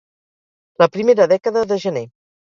La primera dècada de gener.